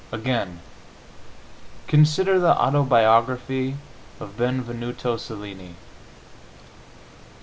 Again, consider the autobiography of Benvenuto Cellini.